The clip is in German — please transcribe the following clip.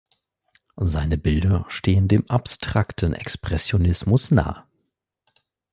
Seine Bilder stehen dem abstrakten Expressionismus nahe.